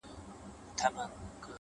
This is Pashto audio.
o بابولاله؛